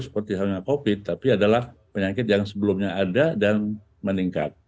seperti halnya covid tapi adalah penyakit yang sebelumnya ada dan meningkat